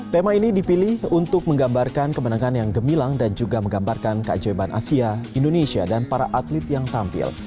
tema ini dipilih untuk menggambarkan kemenangan yang gemilang dan juga menggambarkan keajaiban asia indonesia dan para atlet yang tampil